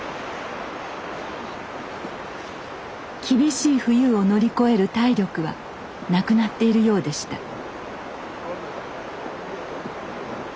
厳しい冬を乗り越える体力はなくなっているようでした。